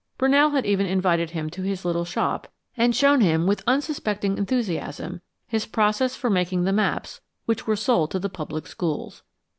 Brunell had even invited him to his little shop and shown him with unsuspecting enthusiasm his process for making the maps which were sold to the public schools.